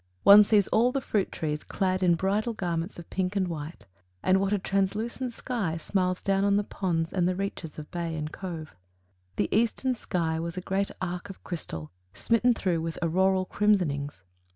One sees all the fruit trees clad in bridal garments of pink and white; and what a translucent sky smiles down on the ponds and the reaches of bay and cove! "The Eastern sky was a great arc of crystal, smitten through with auroral crimsonings."